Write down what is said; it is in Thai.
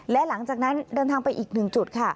และหลังจากนั้นเดินทางไปอีกหนึ่งจุดค่ะ